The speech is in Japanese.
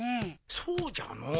そうじゃのう。